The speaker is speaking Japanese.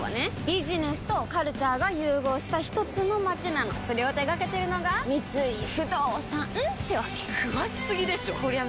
ビジネスとカルチャーが融合したひとつの街なのそれを手掛けてるのが三井不動産ってわけ詳しすぎでしょこりゃ